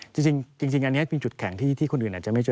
จริงอันนี้เป็นจุดแข็งที่คนอื่นอาจจะไม่เจอ